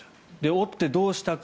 折って、どうしたか。